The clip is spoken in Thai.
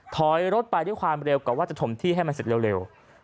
ถอยรถไปด้วยความเร็วกว่าว่าจะถมที่ให้มันเสร็จเร็ว